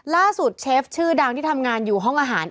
เชฟชื่อดังที่ทำงานอยู่ห้องอาหาร